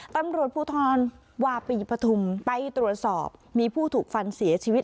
ตำรวจภูทรวาปีปฐุมไปตรวจสอบมีผู้ถูกฟันเสียชีวิต